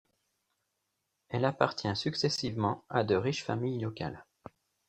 Elle appartient successivement à de riches familles locales.